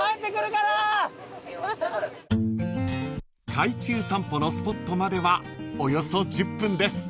［海中散歩のスポットまではおよそ１０分です］